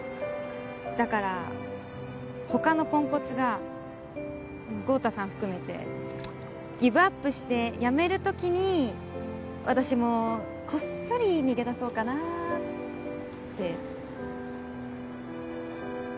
だから他のポンコツが豪太さん含めてギブアップして辞める時に私もこっそり逃げ出そうかなって。